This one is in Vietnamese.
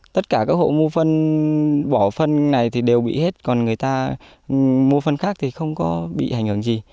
tất cả các hộ mua phân bỏ phân này thì đều bị hết còn người ta mua phân khác thì không có bị hành hưởng gì